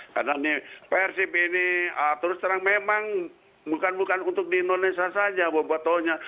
karena persib ini terus terang memang bukan bukan untuk di indonesia saja bapak tohnya